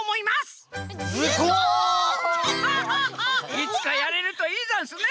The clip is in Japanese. いつかやれるといいざんすね！